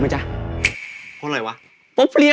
ฉันจะตัดพ่อตัดลูกกับแกเลย